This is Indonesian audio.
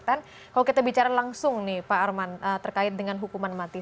kalau kita bicara langsung nih pak arman terkait dengan hukuman mati